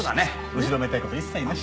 後ろめたい事一切なし。